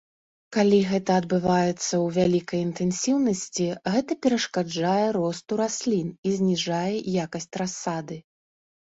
Калі гэта адбываецца ў вялікай інтэнсіўнасці, гэта перашкаджае росту раслін і зніжае якасць расады.